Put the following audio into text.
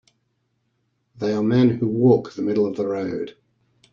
They are men who walk the middle of the road.